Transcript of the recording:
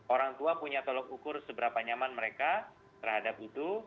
orang tua punya tolok ukur seberapa nyaman mereka terhadap itu